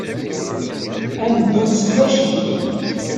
Ad neddut s tmacint.